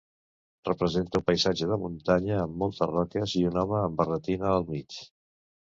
Representa un paisatge de muntanya amb moltes roques i un home amb barretina al mig.